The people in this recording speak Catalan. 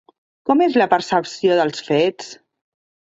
Com és la percepció dels fets?